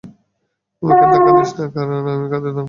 আমাকে ধাক্কা দিস না, কারন আমি খাদের দ্বারপ্রান্তে।